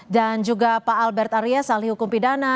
dan juga pak albert arya salih hukum pidana